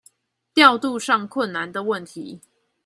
調度上困難的問題